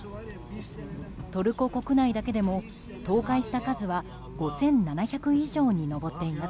トルコ国内だけでも倒壊した数は５７００以上に上っています。